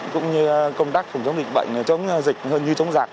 cũng như công tác phòng chống dịch bệnh chống dịch hơn như chống giặc